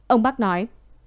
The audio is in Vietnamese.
ông bắc nói